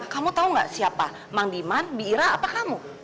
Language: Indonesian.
kamu tahu nggak siapa mang diman bi ira apa kamu